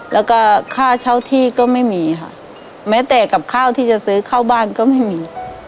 แล้วก็ค่าเช่าที่ก็ไม่มีค่ะแม้แต่กับข้าวที่จะซื้อเข้าบ้านก็ไม่มี